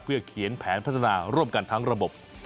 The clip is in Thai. เพื่อเขียนแผนพัฒนาร่วมกันทั้งระบบ